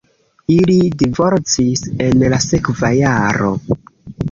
Ili divorcis en la sekva jaro.